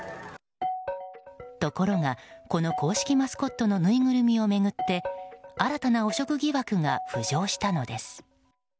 ところが、この公式マスコットのぬいぐるみを巡って新たな汚職疑惑が浮上したのです。